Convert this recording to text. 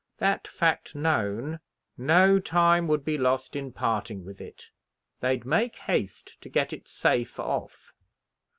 That fact known, no time would be lost in parting with it; they'd make haste to get it safe off."